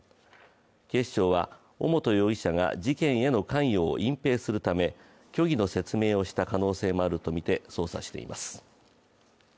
警視庁は尾本容疑者が事件への関与を隠蔽するため虚偽の説明をした可能性もあるとみて捜査しています。